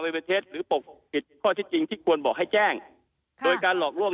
วิเมอเทศหรือปกติข้อที่จริงที่ควรบอกให้แจ้งค่ะโดยการหลอกลวง